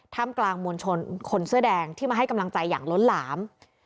กลางมวลชนคนเสื้อแดงที่มาให้กำลังใจอย่างล้นหลาม